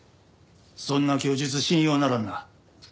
そんな供述信用ならんな。